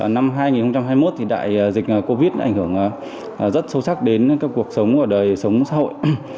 năm hai nghìn hai mươi một đại dịch covid ảnh hưởng rất sâu sắc đến cuộc sống và đời sống xã hội